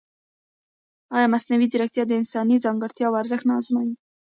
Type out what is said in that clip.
ایا مصنوعي ځیرکتیا د انساني ځانګړتیاوو ارزښت نه ازموي؟